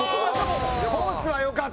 コースはよかった！